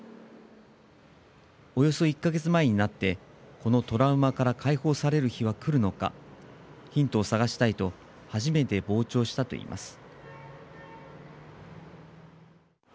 およそ１か月前になってこのトラウマから解放される日はくるのかヒントを探したいと初めて傍聴したといいます。